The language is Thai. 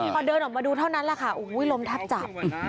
พอเดินออกมาดูเท่านั้นแหละค่ะโอ้โหลมแทบจับ